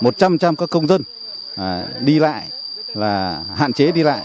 một trăm linh trăm các công dân đi lại hạn chế đi lại